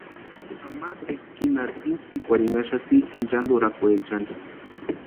Ama eskinarhu intspikwarhinhaxati inchanturhakwechani.